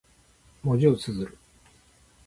文字を綴る。